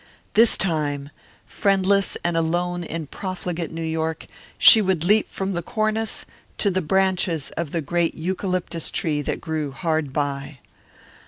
This time, friendless and alone in profligate New York, she would leap from the cornice to the branches of the great eucalyptus tree that grew hard by.